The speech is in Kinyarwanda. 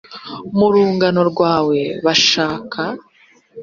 mu rungano rwawe bashaka